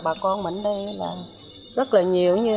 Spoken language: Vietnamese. bà con mình đây là rất nhiều